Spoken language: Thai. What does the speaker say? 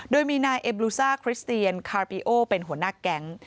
โดยมีนายเอ็บลูซ่าคริสเตียนคาปิโอเป็นหัวหน้าแก๊ง